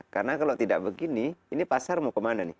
karena kalau tidak begini ini pasar mau kemana nih